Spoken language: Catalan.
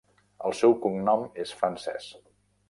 El seu cognom és francès.